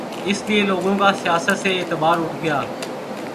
اس لیے لوگوں کا سیاست سے اعتبار اٹھ گیا۔